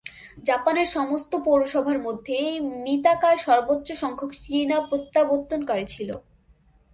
জাপানের সমস্ত পৌরসভার মধ্যে, মিতাকায় সর্বোচ্চ সংখ্যক চীনা প্রত্যাবর্তনকারী ছিল।